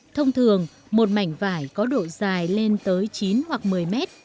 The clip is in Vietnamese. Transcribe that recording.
thông thường một mảnh vải có độ dài lên tới chín hoặc một mươi mét